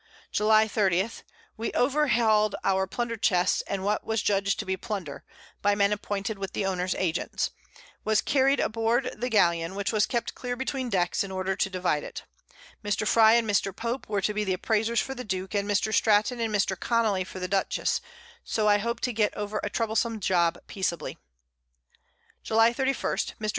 July 30. We over hall'd our Plunder Chests, and what was judged to be Plunder, (by Men appointed with the Owners Agents) was carried aboard the Galeon, which was kept clear between Decks, in order to divide it. Mr. Frye and Mr. Pope were to be Appraisers for the Duke, and Mr. Stratton and Mr. Connely for the Dutchess, so I hope to get over a troublesome Job peaceably. July 31. Mr.